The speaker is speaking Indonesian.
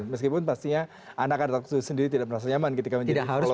meskipun pastinya anak anak itu sendiri tidak merasa nyaman ketika menjadi followernya ya